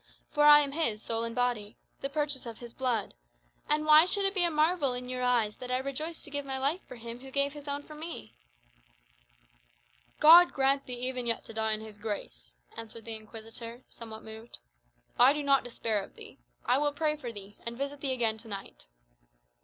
For I am his, soul and body the purchase of his blood. And why should it be a marvel in your eyes that I rejoice to give my life for him who gave his own for me?" "God grant thee even yet to die in his grace!" answered the Inquisitor, somewhat moved. "I do not despair of thee. I will pray for thee, and visit thee again to night."